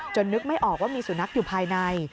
นึกไม่ออกว่ามีสุนัขอยู่ภายใน